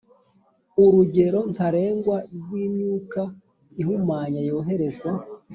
urugero ntarengwa rw imyuka ihumanya yoherezwa